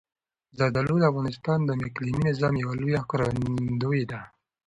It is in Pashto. زردالو د افغانستان د اقلیمي نظام یوه لویه ښکارندوی ده.